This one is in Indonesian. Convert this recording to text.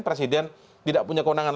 presiden tidak punya kewenangan